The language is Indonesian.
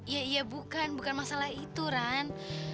iya iya bukan bukan masalah itu ran